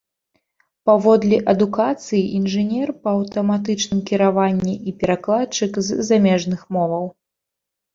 Паводле адукацыі інжынер па аўтаматычным кіраванні і перакладчык з замежных моваў.